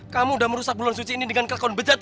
kamu udah merusak bulan suci ini dengan kekon bejat